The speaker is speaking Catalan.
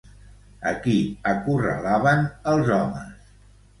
A qui acorralaven els homes?